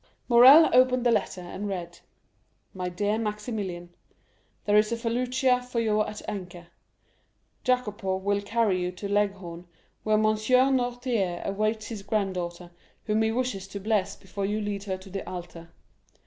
50281m Morrel opened the letter, and read: "My Dear Maximilian, "There is a felucca for you at anchor. Jacopo will carry you to Leghorn, where Monsieur Noirtier awaits his granddaughter, whom he wishes to bless before you lead her to the altar.